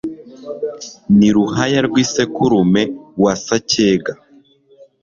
ni ruhaya rw'isekurume wa sacyega